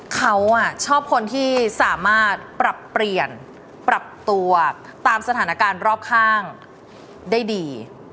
เขาชอบคนที่สามารถปรับเปลี่ยนปรับตัวตามสถานการณ์รอบข้างได้ดี